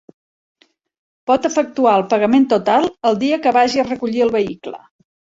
Pot efectuar el pagament total el dia que vagi a recollir el vehicle.